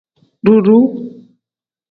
Duuru.